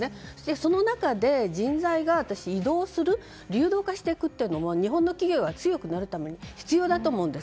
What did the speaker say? その中で人材が移動する流動化していくというのも日本の企業が強くなるために必要だと思うんです。